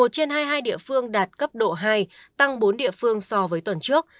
một trên hai mươi hai địa phương đạt cấp độ hai tăng bốn địa phương so với tuần trước